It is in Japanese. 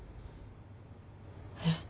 えっ？